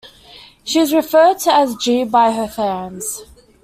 She is referred to as "Jee" by her fans.